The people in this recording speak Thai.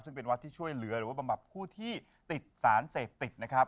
ซึ่งเป็นวัดที่ช่วยเหลือหรือว่าบำบับผู้ที่ติดสารเสพติดนะครับ